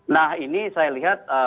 nah ini saya lihat